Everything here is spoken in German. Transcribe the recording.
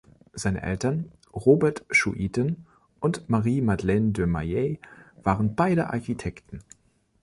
Seine Eltern, Robert Schuiten und Marie-Madeleine De Maeyer, waren beide Architekten.